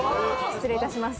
失礼いたします。